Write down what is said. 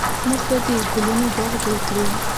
موږ به د ګلونو باغ جوړ کړو